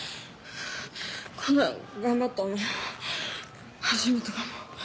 こんな頑張ったの初めてかも。